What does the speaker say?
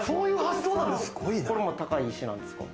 これも高い石なんですか？